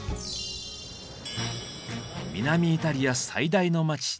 南イタリア最大の街